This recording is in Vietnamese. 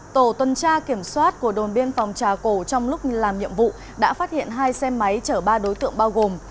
tổ tuần tra kiểm soát của đồn biên phòng trà cổ trong lúc làm nhiệm vụ đã phát hiện hai xe máy chở ba đối tượng bao gồm